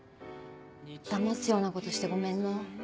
だますようなことしてごめんね。